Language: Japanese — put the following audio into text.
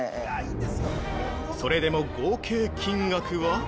◆それでも、合計金額は。